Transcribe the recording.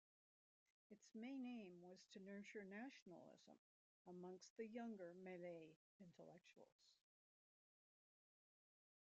Its main aim was to nurture nationalism amongst the younger Malay intellectuals.